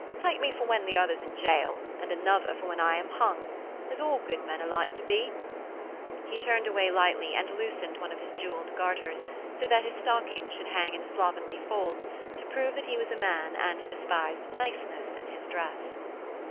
Take me for when the other's in gaol and another for when I am hung, as all good men are like to be.' He turned away lightly and loosened one of his jewelled garters, so that his stockings should hang in slovenly folds to prove that he was a man and despised niceness in his dress.